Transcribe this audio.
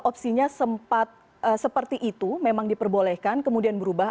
opsinya sempat seperti itu memang diperbolehkan kemudian berubah